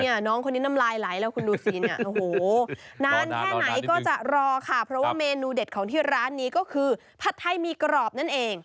น้องคนนี้น้ำลายไหลแล้วคุณดูสิเนี่ยโอ้โหนานแค่ไหนก็จะรอค่ะเพราะว่าเมนูเด็ดของที่ร้านนี้ก็คือผัดไทยมีกรอบนั่นเอง